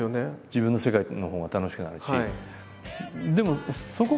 自分の世界のほうが楽しくなるし。